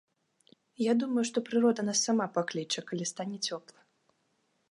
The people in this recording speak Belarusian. Я думаю, што прырода нас сама пакліча, калі стане цёпла.